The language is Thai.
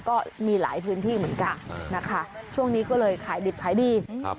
ก็มีหลายพื้นที่เหมือนกันนะคะช่วงนี้ก็เลยขายดิบขายดีครับ